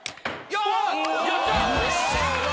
やった！